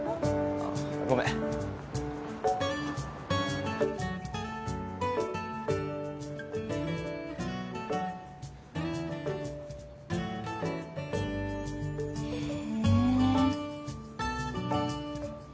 あっごめんへえ